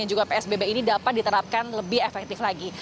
dan juga psbb ini dapat diterapkan lebih efektif lagi